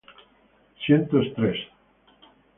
Siento estrés